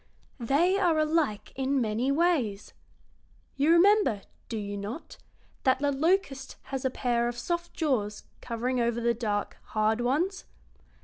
"They are alike in many ways. You remember, do you not, that the locust has a pair of soft jaws covering over the dark, hard ones?